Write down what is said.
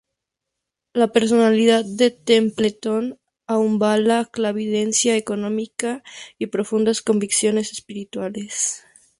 La personalidad de Templeton aunaba clarividencia económica y profundas convicciones espirituales.